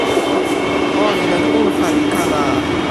olin en unpa li kama.